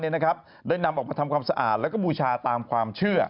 ได้นำออกมาทำความสะอาดแล้วก็บูชาตามความเชื่อ